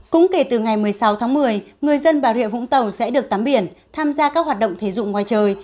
cũng kể từ ngày một mươi sáu tháng một mươi người dân bà rịa vũng tàu sẽ được tắm biển tham gia các hoạt động thể dụng ngoài trời